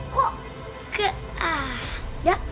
kok gak ada